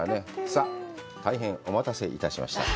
さあ、大変お待たせいたしました。